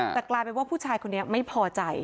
แต่กลายเป็นว่าผู้ชายคนนี้ไม่พอใจ